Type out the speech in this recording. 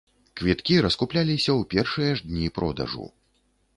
Квіткі раскупляліся ў першыя ж дні продажу.